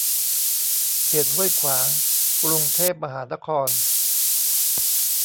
เขตห้วยขวาง กรุงเทพมหานคร